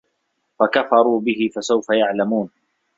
فَكَفَروا بِهِ فَسَوفَ يَعلَمونَ